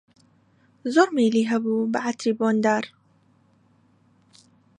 زۆر مەیلی هەبوو بە عەتری بۆندار